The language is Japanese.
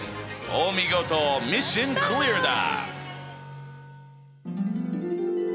お見事ミッションクリアだ！